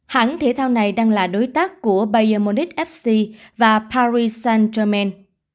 hãng thể thao này đang là đối tác của bayer monique fc và paris saint germain